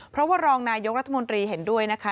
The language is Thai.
เพราะว่ารองนายกรัฐมนตรีเห็นด้วยนะคะ